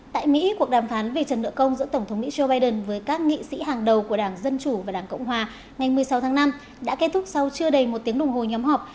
tại mỹ cuộc đàm phán về trần nợ công giữa tổng thống mỹ joe biden với các nghị sĩ hàng đầu của đảng dân chủ và đảng cộng hòa ngày một mươi sáu tháng năm đã kết thúc sau chưa đầy một tiếng đồng hồ nhóm họp